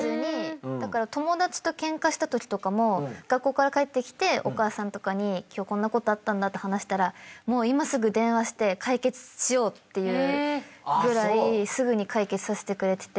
友達とケンカしたときとかも学校から帰ってきてお母さんとかに今日こんなことあったんだって話したらもう今すぐ電話して解決しようっていうぐらいすぐに解決させてくれてて。